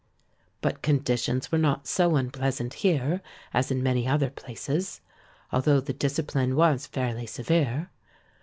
But conditions were not so unpleasant here as in many other places, although the discipline was fairly severe.